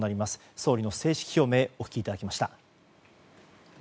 総理の正式表明お聞きいただきました。